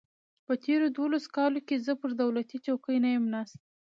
په تېرو دولسو کالو کې زه پر دولتي چوکۍ نه یم ناست.